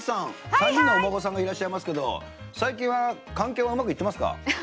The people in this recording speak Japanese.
３人のお孫さんがいらっしゃいますけど最近は、関係はうまくいってますか？